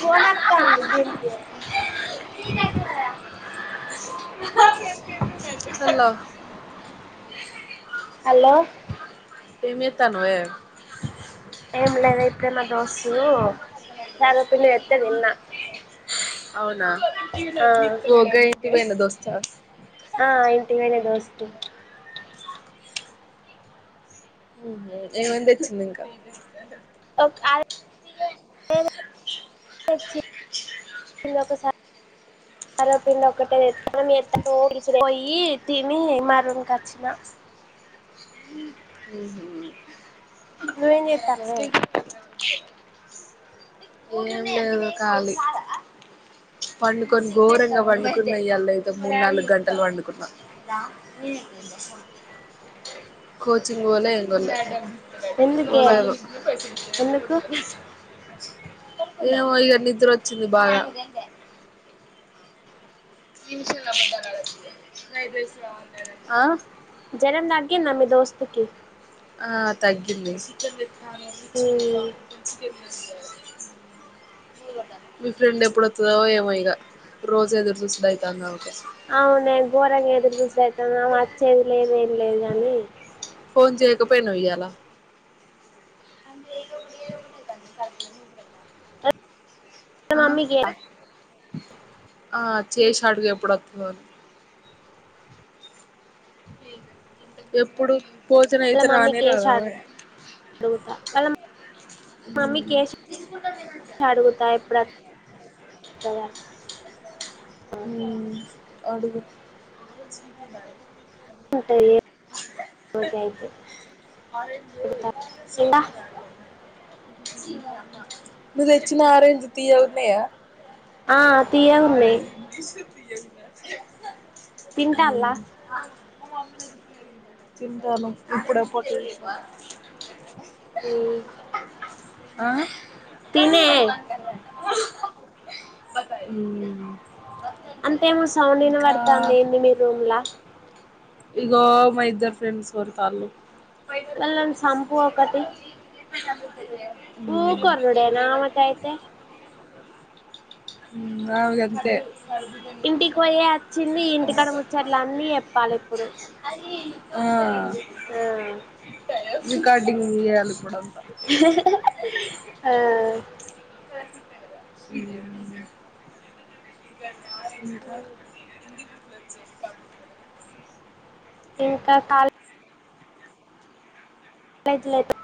ఫోనొత్తాంది దీనికి hello [unintelligible] hello hello ఏంచేస్తానవే ఏం లేదా ఇప్పుడే మా దోశ్ తిన్నా అవునా ఆ పోగా అయితే న్న దోస్తా ఆ ఇంటివైనా దోస్త్ ఏమేం తెచ్చింది ఇంకా [unintelligible] సర్వపిండి ఒకటే తెచ్చిన [unintelligible] పోయి తిని మ రూమ్ కి వచ్చిన [unintelligible] నువ్వేం చేస్తున్నావే ఏం లేదు కాలి పండుకొని ఘోరంగా పండుకున్న ఈయల అయితే మూడు నాలుగు గంటలు అ పండుకున్న కోచింగ్ పోలే ఏం పోలె ఎందుకే పోలేదు ఎందుకు ఒ ఇగ నిద్ర వచ్చింది బాగా ఇంశల్ ఆ జ్వరం తగ్గిందా మీ దోస్త్ కి ఆ తగ్గింది నా చకాచ్చ ఉమ్, [unintelligible] మీ ఫ్రెండ్ ఎప్పుడు వస్తుందో ఏమో ఇగ రోజు ఎదురుచూసే అయితాంది అవునా ఘోరంగా ఎదురు చూస్తూడు అయితాంది వచ్చేది లేదు ఏం లేదు కాని ఫోన్ చేయకపోయినా ఈయ్యాల అే ఏడి ఉ వాళ్ళ ఆ మమ్మీకి ఆ చేసి అడుగు ఎప్పుడు వస్తుందో అని ఎప్పుడు భోజన అయితే మమ్మ రానే రాదామె వాళ్ళ మ్మ్ మమ్మీకి అడుగుతా ఎప్పుడా ఉ అడుగు ఉంటది అయితే ఆరెంజ్ అడుగుతా ఇంకా స్వీట్ వుడ్ నువ్వు తెచ్చిన ఆరెంజ్ తీయగా ఉన్నాయా ఆ తీయాగ ఉన్నాయి ్య [unintelligible] తింటాల్లా హు తింటాను ఇప్పుడే పోట్ అ ఆ అ [unintelligible] బతాయి హు అంతేమో సౌండ్ని పడతాంది ఏంటి మీ రూమ్లా ఇగ మ ఇద్దరు ఫ్రెండ్స్ వరుతలు వెళ్ళండి సంపు ఒకటి ఫతా [unintelligible] ఊ కోర్డే నా మకా అయితే అగంతే గర్దు ఇంటికి పోయే వచ్చింది ఇంటికాడ తె ముచ్చట్లు అన్నీ చెప్పాలి ఇప్పుడు అదిే ఆ ఆ రికార్డింగ్ చేయాలి ఇప్పుడంతా ఆ స ఇ ఎ ఎల ఇంకా కాలే జీ లేదు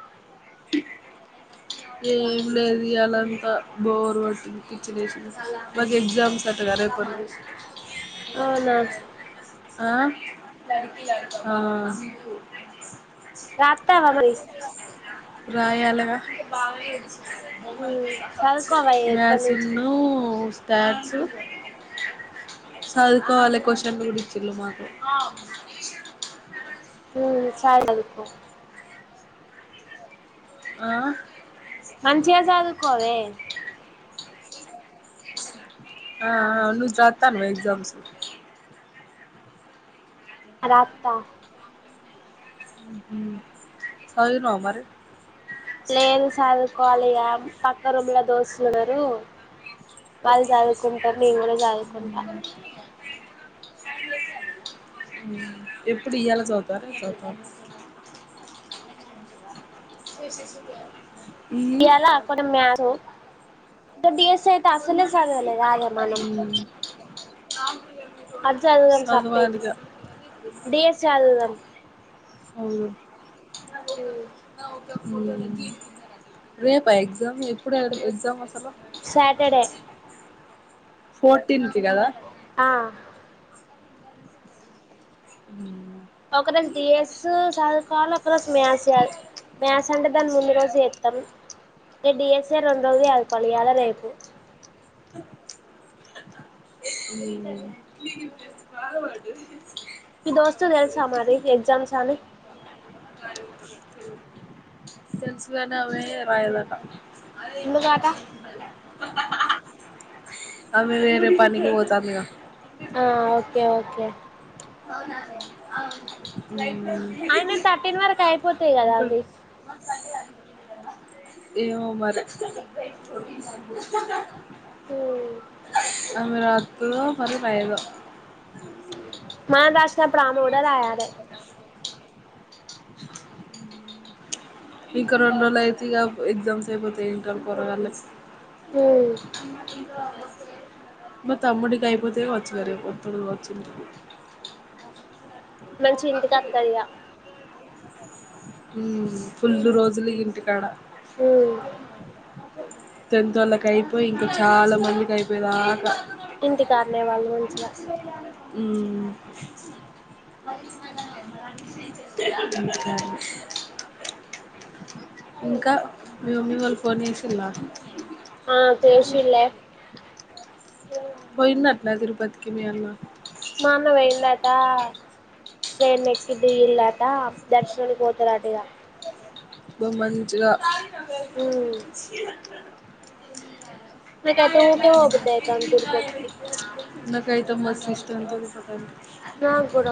ఏం లేదు ఇయ్యాలంత బోర్ గోట్టింది పిచ్చిలేసింది మాకు ఎగ్జామ్స్ అట్టగా రేపటి నుంచి అవునా ఆ ఆ రాత్తవా మరి రాయాలగా ఉమ్, చదువుకోవా ఇప్పటి నుంచి మ్యాసిన్ను దచ ఉమ్. చదుకోవాల క్వశ్చన్ కండ గుడి చిల్ల మా ఉమ్ చాలు ఆ మంచిగా చదువుకోవే ఆ అ నువ్వు రాత్తన్నవ ఎగ్జామ్స్ ఆ రాత్త ఉహూ చదివినావ మరి లేదు సదుకోవాలి పక్క రూమ్లా దోస్తులు ఉన్నారు వాళ్ళు చదువుకుంటారు నేను కూడా చదువుకుంటా ఉమ్ ఎప్పుడు ఇయ్యాల చదుతారా రేపు చదువుతారా వసి చ ఇయ్యాల [unintelligible] [unintelligible] డిఎస్. అది చదువుదాం సపరేట్ చదవాలిగా డిఎస్ చదువుదాం అవును. వు. ఉమ్ మ్మ్ ఉమ్ రేపా ఎగ్జామ్ ఎప్పుడు అడు ఎగ్జామ్ అసలు సాటర్డే ఫోర్. టింకి కదా ఆ హహ ఒక రోజు డీ ఎస్ సద్ ఫాలో ఒక రోజు మ్యాస్ సెయ్యాలి మ్యాస్ అండ్ దాని ముందు రోజు ఎత్తరు అంటే డిఎస్ఏ రెండ్రోజులు యదుకోవాలి ఇయ్యాల రేపు బాగా పాడు మీ దోస్తుకి తెలుసా మరి ఎగ్జామ్స్ అని సెన్స్ లానావే రాయాలన్న అదే ముందుగాట అవి వేరే పనికి పోతాందిగా ఆ ఓకే ఓకే ఆయన థర్టీన్ వరక్ అయిపోతయి కదా ఇంకో అవి ఏమో మరి హ్ ఆమె రాత్తదో మరి రాయదో మనం రాసేటప్పుడు ఆమె గుడా రాయలె ఇక రెండు రోజులు అయితే ఇగ ఎగ్జామ్స్ అయిపోతయి ఇంటర్ పోరగల్లయి [inaudible] మా తమ్ముడి అయిపోతు వచ్చినరేమో మంచిగ ఇంటికత్త ఇగ ఫుల్లు రోజులు ఇంటికాడ అ టన్త్ వోళ్ళకి అయిపోయి ఇంకా చాలా మందికి అయిపోయేదాక ఇంటికాడ్నే వాళ్ళు మంచిగా హ్మ్ [inaudible] ఇంకా మీ మమ్మీ వాళ్ళు ఫోన్ చేసిల్ల ఆ తెల్సులే పోయిండట్లానా? తిరుపతికి మీ అన్న. మా అన్న వోయిండాట. ట్రైన్ ఎక్కి దిగింలాట, దర్శనానికి వోతరాట. ఇగ. అబ్బా, మంచిగా. నా [unintelligible] చూసి, చీ అంటారు. [unintelligible] నాకైతే ఊకే పోబుద్ది అయితాంది తిరుపతికి నాకైతే మస్త్. వెస్టర్న్ అవసరం లేదు. నాక్ గూడ.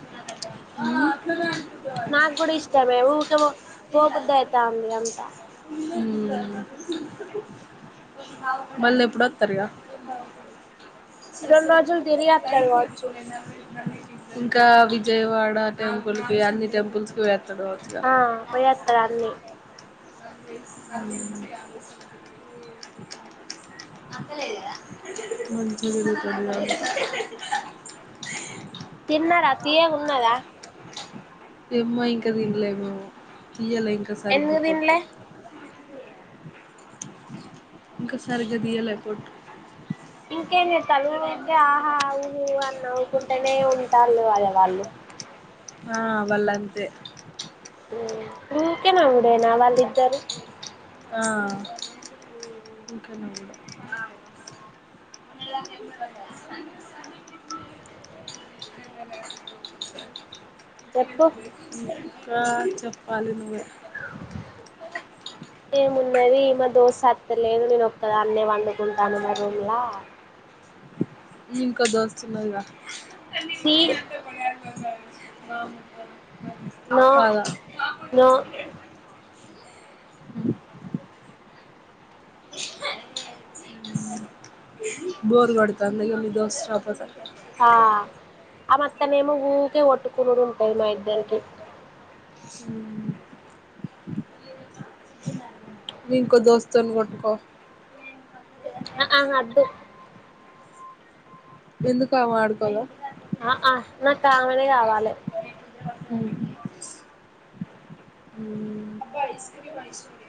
ఉమ్ నా గూడా ఇష్టమే ఊకే వో పోబుద్ది అయితాంది అంతా ఉమ్మ్ మళ్లీ ఎప్పుడోతారు ఇగ రెండు చేసే రోజులు ముందు తిరిగి వత్తడు లైట్ గా కావచ్చు చూడు. ఇంకా విజయవాడ టెంపుల్‌కి, అన్ని టెంపుల్స్‌కి వెళ్. చదవొచ్చుగా. పోయోతాడన్నీ. మంచిదిలే, కొద్దిగా ఆగు. తిన్నారా? తీయగున్నద? ఏమ్మా, ఇంకా దిన్లేమేమ్మ? తీయలే ఇక, సరిగ్గా ఎందుకు పోటు. తినలే ఇంకా సరిగ్గా తీయలే పోటు. ఇంకేం జేతాలు, ఊకే ఆహా, ఊహ అని నవ్వుకుంటేనే ఉంటాలు గదా వాళ్లు. ఆ, వాళ్లు అంతే. ఉమ్, ఊకే నవ్వు. ఎన్నా, వాళ్లిద్దరూ? ఆ, ఊకే నవ్వుడు. చెప్పు ఉమ్. ఇంకా, చెప్పాలి నువ్వే. ఏమున్నది ఈమె దోస్తీ అత్తర్. లేదు నేను ఒక్కదాన్నే, వండుకుంటాను మా రూమ్లా. ఇంకో దోస్తు ఉన్నాగా ఛీ న్నింత పడా అహా న న బోర్గడుత అందుక మీ దోస్త చషాప ఆ ఆమ త్తనే ఏమో ఊకే కొట్టుకునుడు ఉంటది మా ఇద్దరికి రాపోతే మీ ఇంకో దోస్తో ను గొట్టుకో ఆ ఆమ్ అద్దు ఎందుకు ఆమ ఆడుకోద ఆ ఆ నాకు కామెనే కావాలి అబ ఐస్కూరి మఐసూరి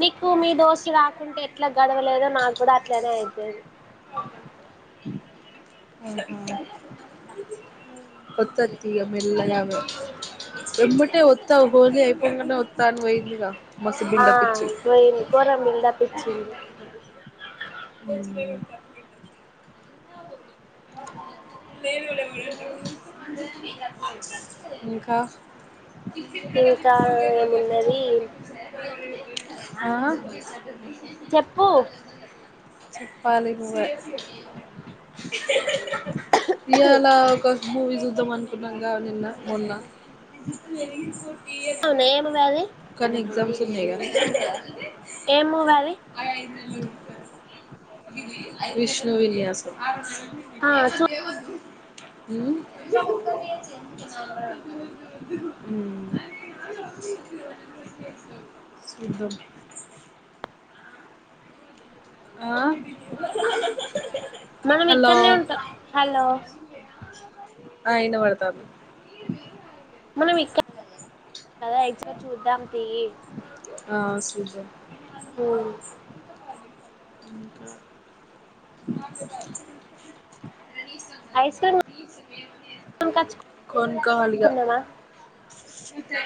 నీకు మీ దోస్తు రాకుంటే ఎట్లా గదవలేదో నాకు ఇప్పుడు అట్లనే అయితేది ఉహు ఒత్తా తీ ఇగ మెల్లగా ఆమె రమ్మటే ఒత్తా హోలీ అయ్ అ ఒత్తాన్ పోయింది గా ఆ పోయిన కూడా బిల్డప్ ఇచ్చింది ఇంకా ఇప్పుడ కది ఇంకా ఫలే ఏమున్నది ఆ చెప్పు చెప్పాలి నువ్వె ఇయాలఒక మూవీ చూద్దాం అనుకున్నాంగా నిన్న మొన్న ఉన్నాయ్ ఏమో కది ఉన్నాయిగా మూవీ అది అఐదులు ఇ స విష్ణు విన్యాసం ఆ చూ ఏ ఏ ఉమ్ ఉమ్ సీట్ దోర్ ఆ మనం హలో ఇక్కడనే ఉంటాం హలో ఆ ఇన పడతాంది మనం ఇక్క కదా ఎక్జో చూద్దాం తీయి ఆ చూద్దాం ఇంకా ఐస్క్రీమ్ ఏ కొనుకోచు కున్నవ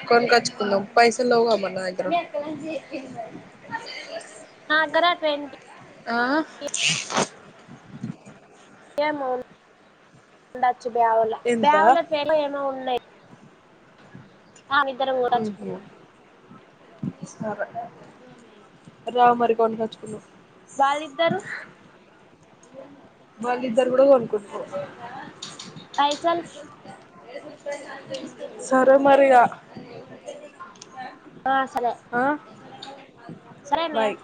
కొన్ కచుకున్నా పైస లోవుగా అ మరి నా దగ్గర ఇ నా దగ్గర ట్వంటీ ఆ ఏమో బ్యాగుల ఎంత బ్యాగుల పేర్లు ఏమో ఉన్నాయి ఆ ఇద్దర ఊరాచ్చికు ఉహు రా మరి కొనుకోచుకున్నాం వాల్లిద్దరు వాళ్ళు ఇద్దరు కూడా కొనుకో పైసలు [unintelligible] సరే మరి ఇగ అ ఆ సరే ఆ సరేనే బాయ్